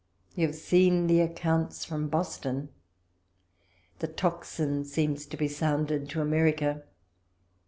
You have seen the ac counts from Boston. The tocsin seems to be sounded to America.